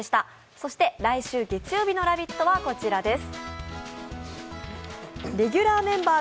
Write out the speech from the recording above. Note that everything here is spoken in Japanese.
そして、来週月曜日の「ラヴィット！」はこちらです。